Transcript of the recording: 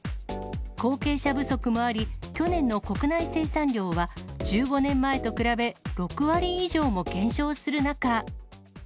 後継者不足もあり、去年の国内生産量は、１５年前と比べ、６割以上も減少する中。